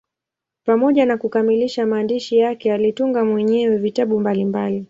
Pamoja na kukamilisha maandishi yake, alitunga mwenyewe vitabu mbalimbali.